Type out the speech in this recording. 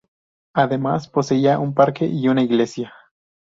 Además, poseía un parque y una iglesia.